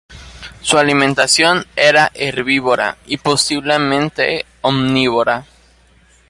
Su alimentación era herbívora y posiblemente omnívora.